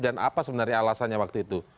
dan apa sebenarnya alasannya waktu itu